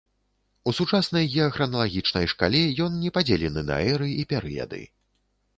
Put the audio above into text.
У сучаснай геахраналагічнай шкале ён не падзелены на эры і перыяды.